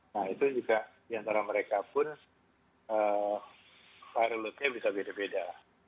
nah itu juga diantara mereka pun viral loadnya bisa beda beda